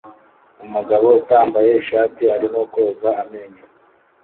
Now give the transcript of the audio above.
Umugabo utambaye ishati arimo koza amenyo